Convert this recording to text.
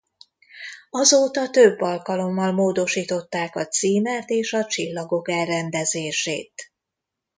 Azóta több alkalommal módosították a címert és a csillagok elrendezését.